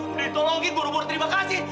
nenek tolongin bor bor terima kasih